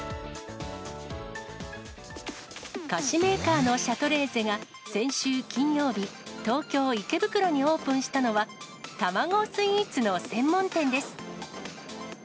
菓子メーカーのシャトレーゼが、先週金曜日、東京・池袋にオープンしたのは、卵スイーツの専門店です。